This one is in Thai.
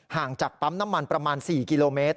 จากปั๊มน้ำมันประมาณ๔กิโลเมตร